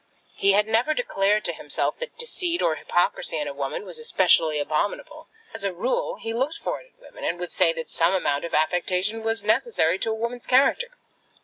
He had never declared to himself that deceit or hypocrisy in a woman was especially abominable. As a rule he looked for it in women, and would say that some amount of affectation was necessary to a woman's character.